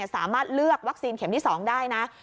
สามารถเลือกวัคซีนเข็มที่๒ได้นะ